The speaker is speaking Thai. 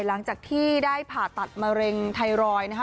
หลังจากที่ได้ผ่าตัดมะเร็งไทรอยด์นะคะ